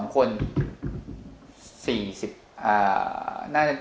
๔๒คน